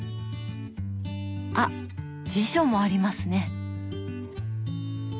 あっ辞書もありますね。